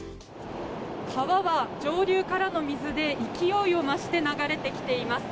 川は上流からの水で勢いを増して流れてきています。